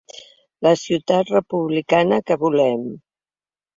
La ciutat republicana que volem.